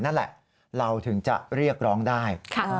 นั่นแหละเราถึงจะเรียกร้องได้